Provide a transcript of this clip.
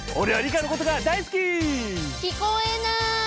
えっ聞こえない！